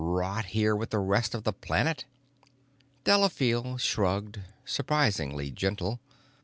Rot here with the rest of the planet?" Delafield shrugged, suprisingly gentle.